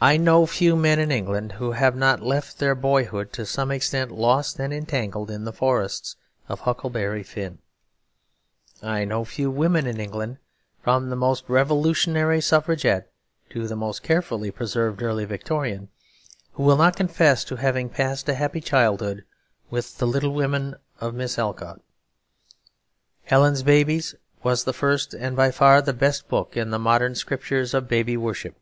I know few men in England who have not left their boyhood to some extent lost and entangled in the forests of Huckleberry Finn. I know few women in England, from the most revolutionary Suffragette to the most carefully preserved Early Victorian, who will not confess to having passed a happy childhood with the Little Women of Miss Alcott. Helen's Babies was the first and by far the best book in the modern scriptures of baby worship.